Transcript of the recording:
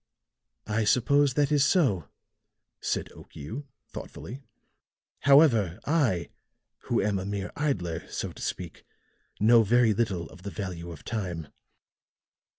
"I suppose that is so," said Okiu, thoughtfully. "However, I who am a mere idler, so to speak, know very little of the value of time.